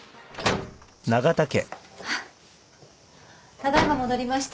ただ今戻りました。